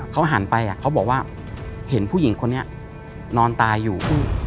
เขาหันไปเขาบอกว่าเห็นผู้หญิงคนนี้นอนตายอยู่